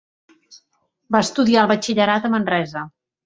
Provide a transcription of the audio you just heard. Va estudiar el batxillerat a Manresa.